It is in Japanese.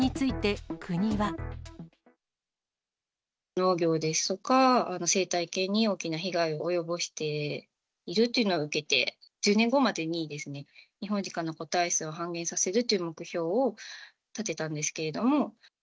農業ですとか、生態系に大きな被害を及ぼしているというのを受けて、１０年後までにですね、ニホンジカの個体数を半減させるという目標を立てたんですけども。